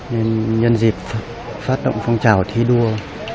nên nhân dịp phát động phong trào thi đua